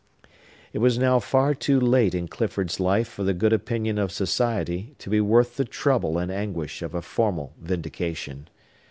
It was now far too late in Clifford's life for the good opinion of society to be worth the trouble and anguish of a formal vindication.